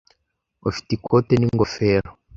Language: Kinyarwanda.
Ufite ikote n'ingofero?